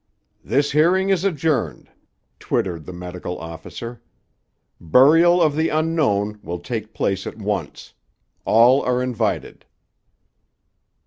"This hearing is adjourned," twittered the medical officer. "Burial of the unknown, will take place at once. All are invited."